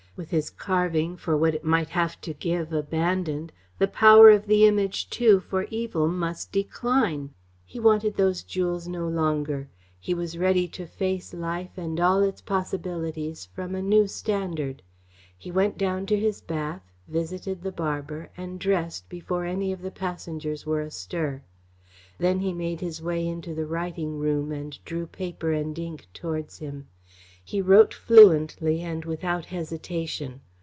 With his craving for what it might have to give abandoned, the power of the Image, too, for evil, must decline. He wanted those jewels no longer. He was ready to face life and all its possibilities from a new standard. He went down to his bath, visited the barber, and dressed before any of the passengers were astir. Then he made his way into the writing room and drew paper and ink towards him. He wrote fluently, and without hesitation.